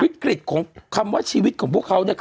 วิกฤตของคำว่าชีวิตของพวกเขาเนี่ย